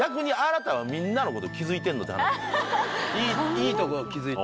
いいとこ気付いた。